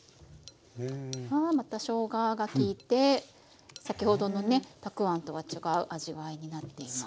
またしょうががきいて先ほどのねたくあんとは違う味わいになっています。